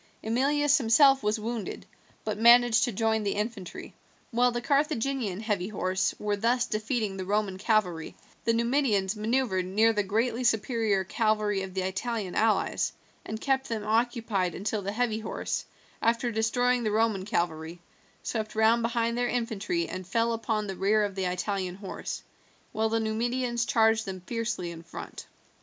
Emilius himself was wounded, but managed to join the infantry. While the Carthaginian heavy horse were thus defeating the Roman cavalry, the Numidians maneuvered near the greatly superior cavalry of the Italian allies, and kept them occupied until the heavy horse, after destroying the Roman cavalry, swept round behind their infantry and fell upon the rear of the Italian horse, while the Numidians charged them fiercely in front.